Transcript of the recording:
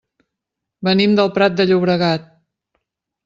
Venim del Prat de Llobregat.